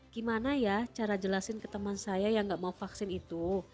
gimana ya cara jelasin ke teman saya yang gak mau vaksin itu